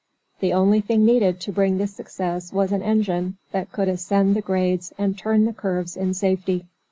The only thing needed to bring this success was an engine that could ascend the grades and turn the curves in safety.